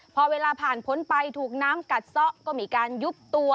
พอเวลาผ่านพ้นไปถูกน้ำกัดซะก็มีการยุบตัว